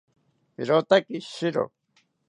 Irotaki shiro